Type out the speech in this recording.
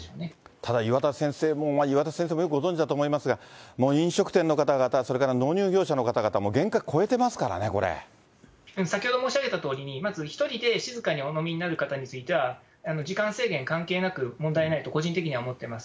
ただ、岩田先生、もう岩田先生もよくご存じだと思いますが、もう飲食店の方々、それから納入業者の方々、もう限界を超えてま先ほど申し上げたとおりに、まず１人で静かにお飲みになる方については、時間制限関係なく、問題ないと、個人的には思ってます。